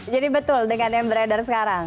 jadi betul dengan yang beredar sekarang